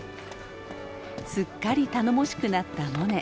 すっかり頼もしくなったモネ。